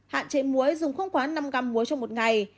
hạn chế muối dùng không quá năm gram muối trong một ngày